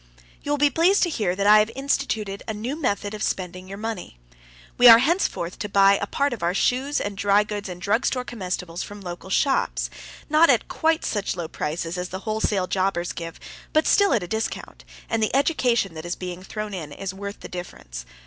You will be pleased to hear that I have instituted a new method of spending your money. We are henceforth to buy a part of our shoes and drygoods and drug store comestibles from local shops, at not quite such low prices as the wholesale jobbers give, but still at a discount, and the education that is being thrown in is worth the difference.